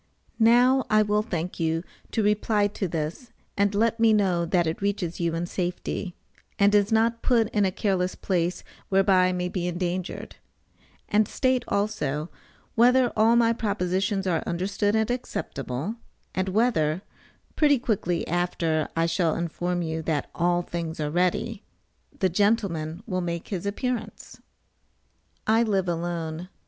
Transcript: Now I will thank you to reply to this and let me know that it reaches you in safety, and is not put in a careless place, whereby I may be endangered; and state also, whether all my propositions are understood and acceptable, and whether, (pretty quickly after I shall inform you that all things are ready), the gentleman will make his appearance? I live alone.